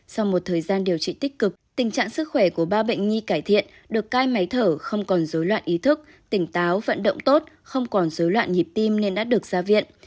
sau một thời gian điều trị tích cực tình trạng sức khỏe của ba bệnh nhi cải thiện được cai máy thở không còn dối loạn ý thức tỉnh táo vận động tốt không còn dối loạn nhịp tim nên đã được ra viện